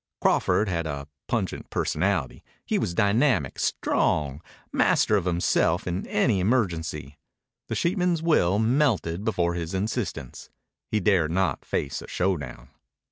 Crawford had a pungent personality. He was dynamic, strong, master of himself in any emergency. The sheepman's will melted before his insistence. He dared not face a showdown.